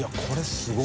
すごい。